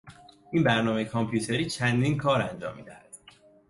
این برنامهی کامپیوتری چندین کار انجام میدهد.